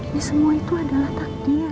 ya semua itu adalah takdir